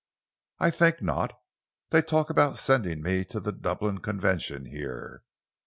"I think not. They talk about sending me to the Dublin Convention here.